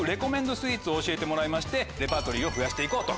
スイーツを教えてもらいましてレパートリーを増やして行こうと。